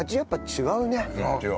違う。